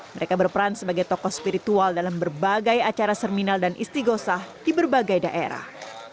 mereka berperan sebagai tokoh spiritual dalam berbagai acara serminal dan istighosah di berbagai daerah